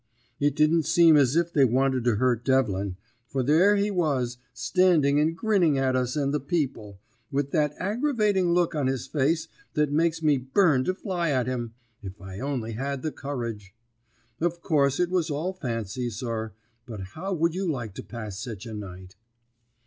It didn't seem as if they wanted to hurt Devlin, for there he was, standing and grinning at us and the people, with that aggravating look on his face that makes me burn to fly at him, if I only had the courage. Of course it was all fancy, sir; but how would you like to pass sech a night?